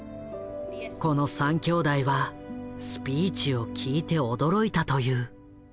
この３きょうだいはスピーチを聴いて驚いたという。